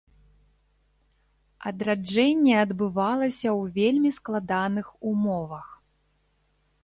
Адраджэнне адбывалася ў вельмі складаных умовах.